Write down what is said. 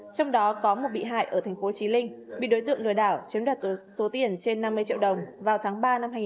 trong đó có một bị hại ở thành phố trí linh bị đối tượng lừa đảo chiếm đoạt số tiền trên năm mươi triệu đồng vào tháng ba năm hai nghìn hai mươi